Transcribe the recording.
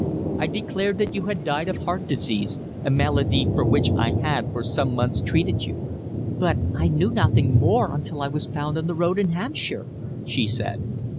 I declared that you had died of heart disease, a malady for which I had for some months treated you!" "But I knew nothing more until I was found on the road in Hampshire," she said.